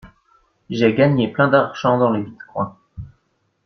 J'ai gagné plein d'argent dans les bitcoin.